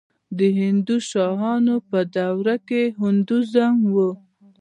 د هندوشاهیانو دوره کې هندویزم و